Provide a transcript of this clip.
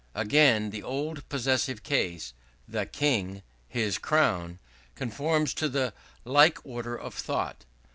Again, the old possessive case "The king, his crown," conforms to the like order of thought.